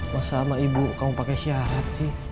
masa sama ibu kamu pakai syarat sih